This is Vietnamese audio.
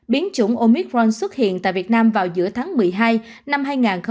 biến chủng omitron xuất hiện tại việt nam vào giữa tháng một mươi hai năm hai nghìn hai mươi